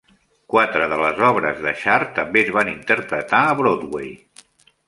Quatre de les obres d'Achard també es van interpretar a Broadway.